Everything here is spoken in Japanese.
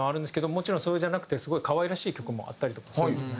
もちろんそれじゃなくてすごい可愛らしい曲もあったりとかするんですよね。